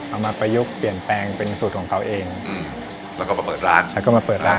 มาประยุกต์เปลี่ยนแปลงเป็นสูตรของเขาเองอืมแล้วก็มาเปิดร้านแล้วก็มาเปิดร้าน